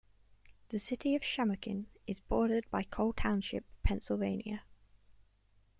The city of Shamokin is bordered by Coal Township, Pennsylvania.